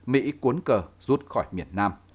mỹ cuốn cờ rút khỏi miền nam